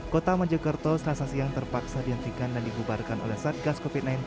kota mojokerto selasa siang terpaksa dihentikan dan dibubarkan oleh satgas covid sembilan belas